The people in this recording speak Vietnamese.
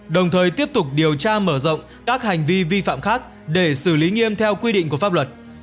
đồng thời tiếp tục điều tra mở rộng các hành vi vi phạm khác để xử lý nghiêm theo quy định của pháp luật